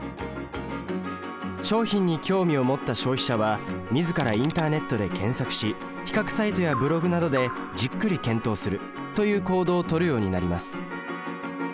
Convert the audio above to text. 商品に興味を持った消費者は自らインターネットで検索し比較サイトやブログなどでじっくり検討するという行動をとるようになります。